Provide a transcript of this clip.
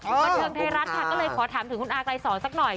บันเทิงไทยรัฐค่ะก็เลยขอถามถึงคุณอากายสอนสักหน่อย